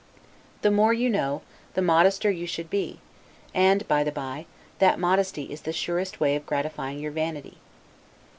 The more you know, the modester you should be: and (by the bye) that modesty is the surest way of gratifying your vanity.